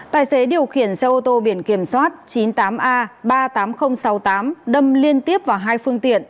tài xế điều khiển xe ô tô biển kiểm soát chín mươi tám a ba mươi tám nghìn sáu mươi tám đâm liên tiếp vào hai phương tiện